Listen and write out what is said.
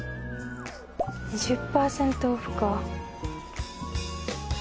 ２０％オフか。